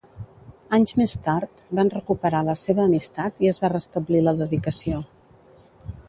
Anys més tard, van recuperar la seva amistat i es va restablir la dedicació.